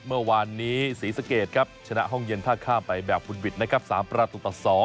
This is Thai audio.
เมื่อวานนี้ศรีสะเกดครับชนะห้องเย็นท่าข้ามไปแบบวุดหวิดนะครับ๓ประตูต่อ๒